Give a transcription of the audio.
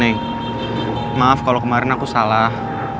neng maaf kalo kemarin aku salah